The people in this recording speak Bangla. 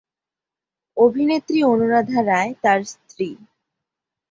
অভিনেত্রী অনুরাধা রায় তার স্ত্রী।